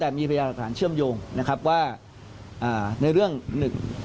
แต่มีพยายามหลักฐานเชื่อมโยงนะครับว่าอ่าในเรื่องหนึ่ง